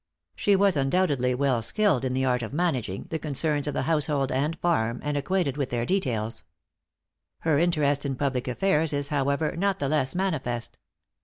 She was undoubtedly well skilled in the art of managing the concerns of the household and farm, and acquainted with their details. Her interest in public affairs is however, not the less manifest.